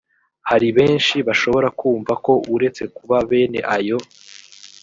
hari benshi bashobora kumva ko uretse kuba bene ayo